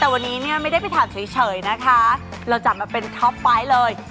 แต่วันนี้เนี่ยไม่ได้ไปถามเฉยนะคะเราจัดมาเป็นท็อปไฟต์เลย